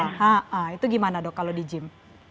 nah itu gimana dok kalau di gym